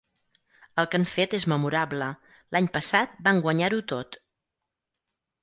El que han fet és memorable; l'any passat van guanyar-ho tot.